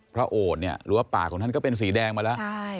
โอดเนี่ยหรือว่าปากของท่านก็เป็นสีแดงมาแล้ว